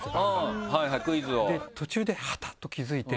途中ではたと気付いて。